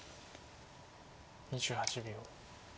２８秒。